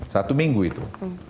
satu minggu itu